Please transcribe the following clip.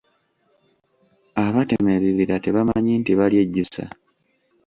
Abatema ebibira tebamanyi nti balyejjusa.